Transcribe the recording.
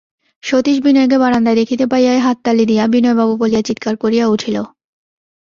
সতীশ বিনয়কে বারান্দায় দেখিতে পাইয়াই হাততালি দিয়া বিনয়বাবু বলিয়া চীৎকার করিয়া উঠিল।